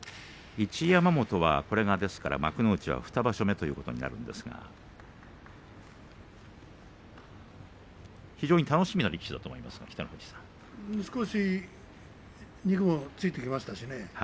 一山本がこれが幕内２場所目ということになりますが非常に楽しみな力士だと少し肉もついていきましたしね